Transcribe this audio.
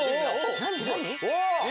何何？